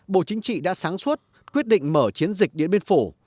bộ chính trị đã sáng suốt quyết định mở chiến dịch điện biên phủ